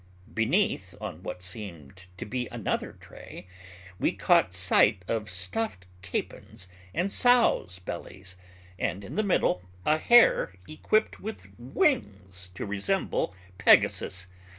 Beneath, on what seemed to be another tray, we caught sight of stuffed capons and sows' bellies, and in the middle, a hare equipped with wings to resemble Pegasus.